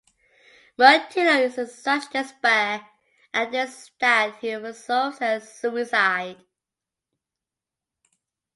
Mirtillo is in such despair at this that he resolves on suicide.